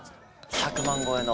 １００万超えの。